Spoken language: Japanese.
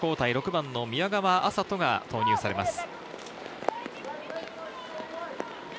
６番・宮川麻都が投入されます。